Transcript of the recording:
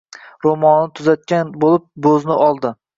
Ro'molini tuzatgan bo'lib bo'zni oldi